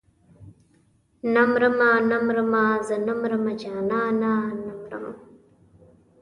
نه مرمه نه مرمه زه نه مرمه جانانه نه مرم.